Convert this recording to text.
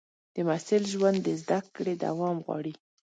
د محصل ژوند د زده کړې دوام غواړي.